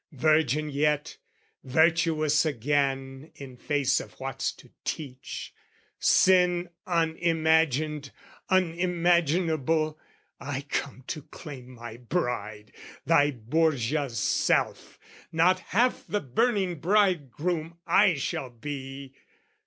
virgin yet, Virtuous again in face of what's to teach Sin unimagined, unimaginable, I come to claim my bride, thy Borgia's self Not half the burning bridegroom I shall be!